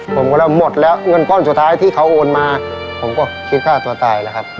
ผมก็เลยหมดแล้วเงินก้อนสุดท้ายที่เขาโอนมาผมก็คิดฆ่าตัวตายแล้วครับ